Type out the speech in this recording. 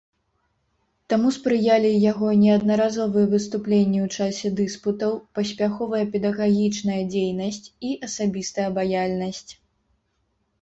Таму спрыялі яго неаднаразовыя выступленні ў часе дыспутаў, паспяховая педагагічная дзейнасць і асабістая абаяльнасць.